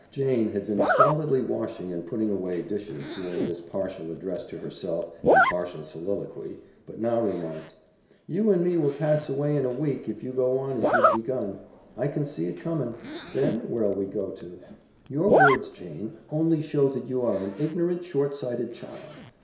Jane had been stolidly washing and putting away dishes during this partial address to herself and partial soliloquy, but now remarked, "You and me will pass away in a week if you go on as you've begun. I can see it comin'. Then, where'll we go to?" "Your words, Jane, only show that you are an ignorant, short sighted child.